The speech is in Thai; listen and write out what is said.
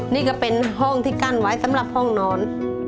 นี่ก็เป็นห้องที่กั้นไว้สำหรับห้องนอน